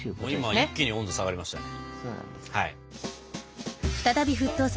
今一気に温度が下がりましたね。